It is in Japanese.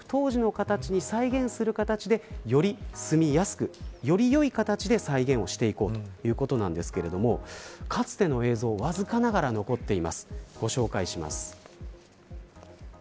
より住みやすく、よりよい形で再現していこうということなんですけどかつての映像がわずかながら残っています。